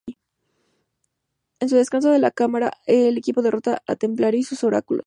En su descenso a la Cámara, el equipo derrota al Templario y sus Oráculos.